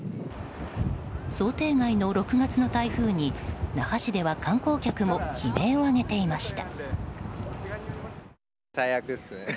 想定外の６月の台風に那覇市では観光客も悲鳴を上げていました。